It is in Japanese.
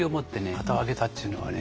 旗を揚げたというのはね